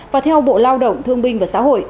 và theo bộ lao động thương binh và xã hội